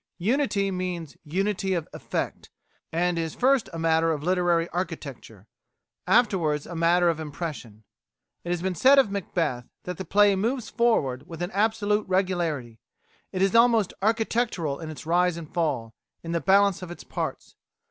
Unity means unity of effect, and is first a matter of literary architecture afterwards a matter of impression. It has been said of Macbeth that "the play moves forward with an absolute regularity; it is almost architectural in its rise and fall, in the balance of its parts.